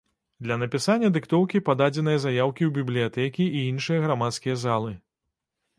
Для напісання дыктоўкі пададзеныя заяўкі ў бібліятэкі і іншыя грамадскія залы.